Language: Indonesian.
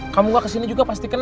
kamu nggak ke sini juga pasti kena